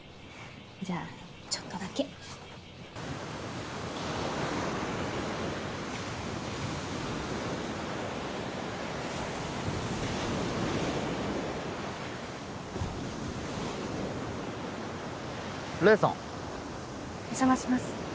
じゃあちょっとだけ礼さんお邪魔します